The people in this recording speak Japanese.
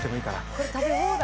これ食べ放題？